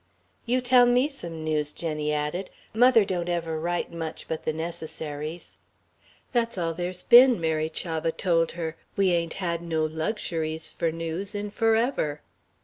"... You tell me some news," Jenny added. "Mother don't ever write much but the necessaries." "That's all there's been," Mary Chavah told her; "we ain't had no luxuries for news in forever."